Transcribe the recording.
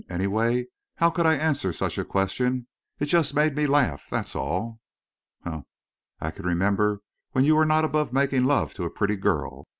"Anyway, how could I answer such a question? It just made me laugh, that's all." "Humph! I can remember when you were not above making love to a pretty girl.